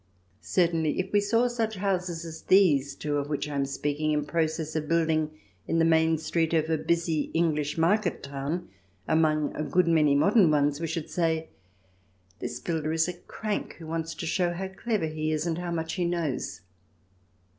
Certainly, if we saw such houses as these two of which I am speaking in process of building in the main street of a busy English market town among a good many modern ones, we should say, "This builder is a crank who wants to show how clever he is and how much he knows."